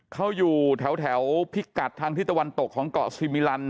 เขาอยู่แถวพิกัดทางที่ตะวันตกของเกาะซีมิลัน